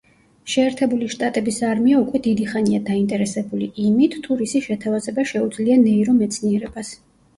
შეერთებული შტატების არმია უკვე დიდი ხანია დაინტერესებული იმით, თუ რისი შეთავაზება შეუძლია ნეირომეცნიერებას.